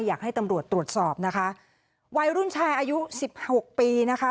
อยากให้ตำรวจตรวจสอบนะคะวัยรุ่นชายอายุสิบหกปีนะคะ